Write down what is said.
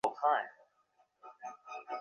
সবকিছু নিয়ন্ত্রণে আছে, স্যার।